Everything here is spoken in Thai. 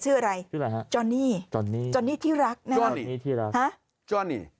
ชื่ออะไรฮะจอนนี่จอนนี่ที่รักนะครับฮะจอนนี่